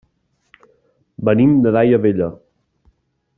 Venim de Daia Vella.